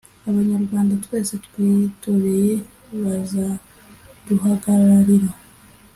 abanyarwanda twese twitoreye abazaduhagararira